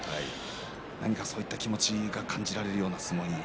何かそういった気持ちが感じられるような相撲に。